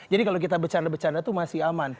jadi kalau kita bercanda bercanda tuh masih aman